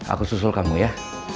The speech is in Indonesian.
aku susul kamu ya